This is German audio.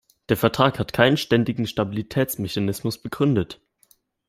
Der Vertrag hat keinen ständigen Stabilitätsmechanismus begründet.